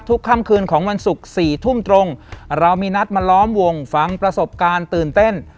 ค่ำคืนของวันศุกร์๔ทุ่มตรงเรามีนัดมาล้อมวงฟังประสบการณ์ตื่นเต้น